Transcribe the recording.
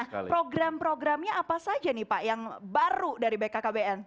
nah program programnya apa saja nih pak yang baru dari bkkbn